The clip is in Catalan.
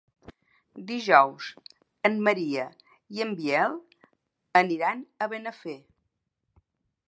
Dijous en Maria i en Biel aniran a Benafer.